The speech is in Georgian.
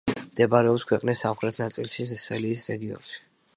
მდებარეობს ქვეყნის სამხრეთ ნაწილში, სელიის რეგიონში.